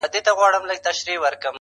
هغه نجلۍ چي هر ساعت به یې پوښتنه کول